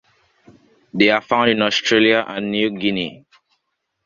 They are found in Australia and New Guinea.